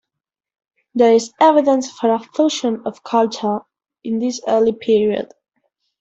There is evidence for a fusion of culture in this early period.